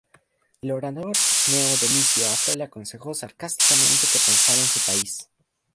El orador Gneo Domicio Afro le aconsejó sarcásticamente que pensara en su país.